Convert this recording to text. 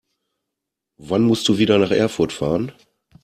Wann musst du wieder nach Erfurt fahren?